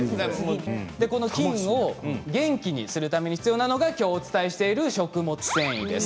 この菌を元気にするために必要なのが今日お伝えしている食物繊維です。